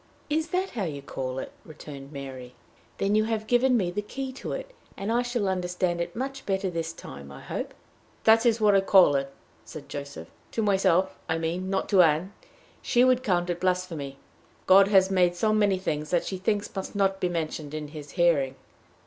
"Is that how you call it?" returned Mary. "Then you have given me the key to it, and I shall understand it much better this time, I hope." "That is what I call it," said Joseph, " to myself, I mean, not to Ann. She would count it blasphemy. God has made so many things that she thinks must not be mentioned in his hearing!"